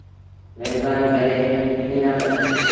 مهربآݩيٚ ڪري ايٚݩ نا ڪر